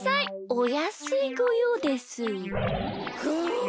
おやすいごようです。